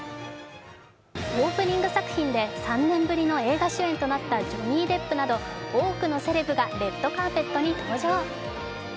オープニング作品で３年ぶりの映画主演となったジョニー・デップなど多くのセレブがレッドカーペットに登場。